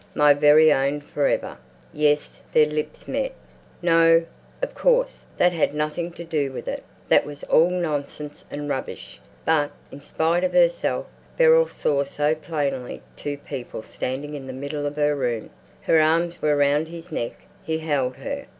"My very own for ever?" "Yes." Their lips met. No, of course, that had nothing to do with it. That was all nonsense and rubbish. But, in spite of herself, Beryl saw so plainly two people standing in the middle of her room. Her arms were round his neck; he held her.